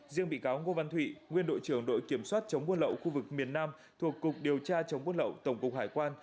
riêng bị cáo ngô văn thụy nguyên đội trưởng đội kiểm soát chống buôn lậu khu vực miền nam thuộc cục điều tra chống buôn lậu tổng cục hải quan